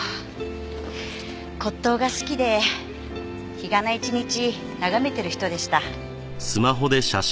骨董が好きで日がな一日眺めてる人でした。